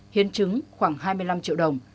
hiến chứng khoảng hai mươi năm triệu đồng